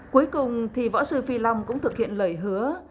cuối cùng thì võ sư phi long cũng thực hiện lời hứa